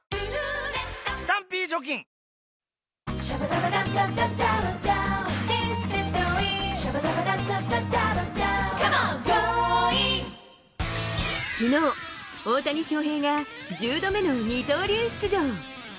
この後昨日、大谷翔平が１０度目の二刀流出場。